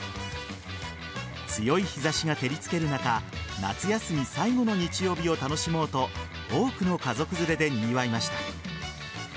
強い日差しが照りつける中夏休み最後の日曜日を楽しもうと多くの家族連れでにぎわいました。